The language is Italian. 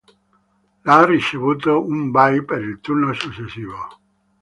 L' ha ricevuto un bye per il turno successivo.